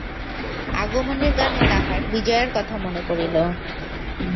আগমনীর গানে তাঁহার বিজয়ার কথা মনে পড়িল।